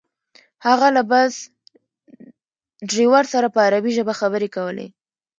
هغه له بس ډریور سره په عربي ژبه خبرې کولې.